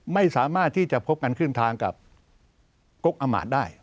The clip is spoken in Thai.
ไม่สามารถที่จะพบกันครึ่งทางกับกกอำมาตย์ได้